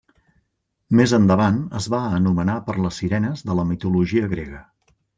Més endavant es va anomenar per les sirenes de la mitologia grega.